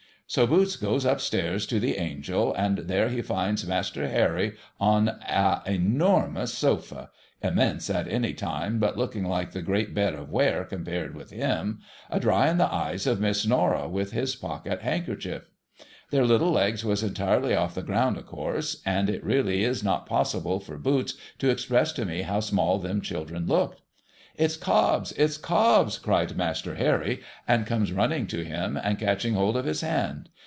So Boots goes up stairs to the Angel, and there he finds Master Harry on a e normous sofa, — immense at any time, but looking like the Great Bed of ^^*are, compared with him, — a drying the eyes ON THE ROAD TO GRETNA GREEN 107 of Miss Norah with his pocket hankercher. Their Httle legs was entirely off the ground, of course, and it really is not possible for Boots to express to me how small them children looked. ' It's Cobbs ! It's Cobbs !' cried Master Harry, and comes run ning to him, and catching hold of his hand.